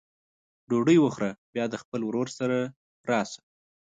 ډوډۍ وخوره بیا خپل د ورور سره راسه!